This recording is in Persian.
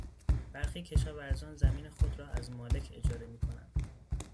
برخی کشاورزان زمین خود را از مالک اجاره میکنند.